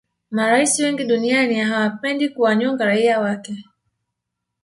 marais wengi duniani hawapendi kuwanyonga raia wake